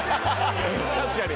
確かに。